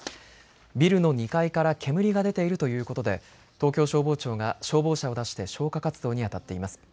ビルの２階から煙が出ているということで東京消防庁が消防車を出して消火活動にあたっています。